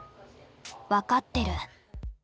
分かってる。